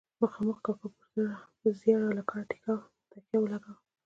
مخامد کاکا پر زیړه لکړه تکیه ولګوه.